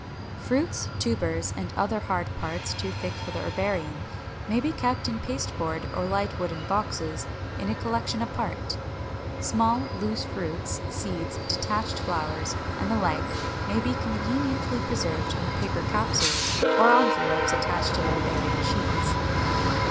569. Fruits, tubers, and other hard parts, too thick for the herbarium, may be kept in pasteboard or light wooden boxes, in a collection apart. Small loose fruits, seeds, detached flowers, and the like may be conveniently preserved in paper capsules or envelopes, attached to the herbarium sheets.